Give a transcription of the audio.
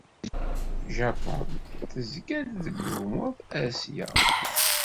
Japun tezga-d deg wegmuḍ n Asya.